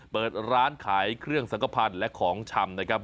เปิดร้านขายเครื่องสังกภัณฑ์และของชำนะครับ